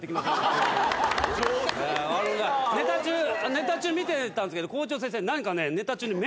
ネタ中見てたんすけど校長先生何かね。